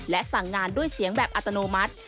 และสั่งงานด้วยเสียงแบบอัตโนมัติ